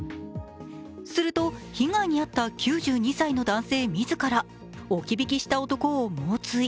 すると被害に遭った９２歳の男性自ら置き引きした男を猛追。